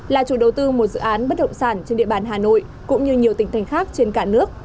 là chủ đầu tư một dự án bất động sản trên địa bàn hà nội cũng như nhiều tỉnh thành khác trên cả nước